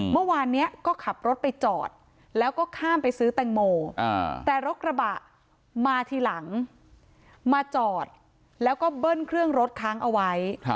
เมื่อวานนี้ก็ขับรถไปจอดแล้วก็ข้ามไปซื้อแตงโมแต่รถกระบะมาทีหลังมาจอดแล้วก็เบิ้ลเครื่องรถค้างเอาไว้